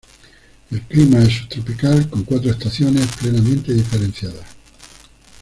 El clima es subtropical, con cuatro estaciones plenamente diferenciadas.